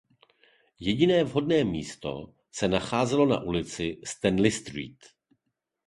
Jediné vhodné místo se nacházelo na ulici Stanley Street.